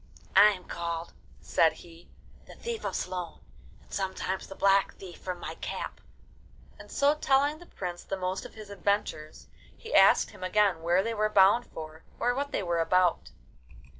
'I am called,' said he, 'the Thief of Sloan, and sometimes the Black Thief from my cap; 'and so telling the prince the most of his adventures, he asked him again where they were bound for, or what they were about.